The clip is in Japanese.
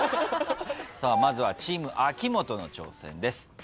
まずはチーム秋元の挑戦です。